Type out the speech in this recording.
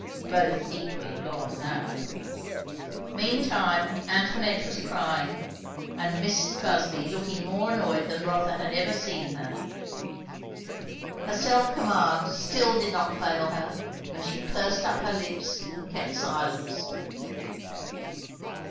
Both equally gone now. Meantime Antoinette was crying, and Mrs. Busby looking more annoyed than Rotha had ever seen her. Her self command still did not fail her, and she pursed up her lips and kept silence.